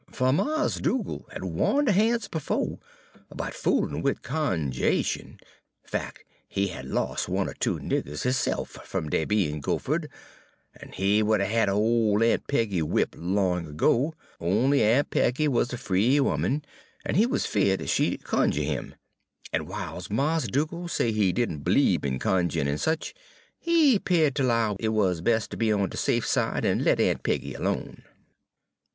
"Fer Mars' Dugal' had warned de han's befo' 'bout foolin' wid cunju'ation; fac', he had los' one er two niggers his se'f fum dey bein' goophered, en he would 'a' had ole Aun' Peggy whip' long ago, on'y Aun' Peggy wuz a free 'oman, en he wuz 'feard she 'd cunjuh him. En w'iles Mars' Dugal' say he did n' b'liebe in cunj'in' en sich, he 'peared ter 'low it wuz bes' ter be on de safe side, en let Aun' Peggy alone.